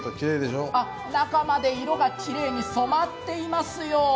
中まで色がきれいに染まっていますよ。